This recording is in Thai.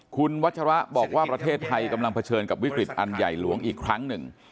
คุณวัชระบอกว่าประเทศไทยกำลังเผชิญกับวิกฤตอันใหญ่หลวงอีกครั้งหนึ่ง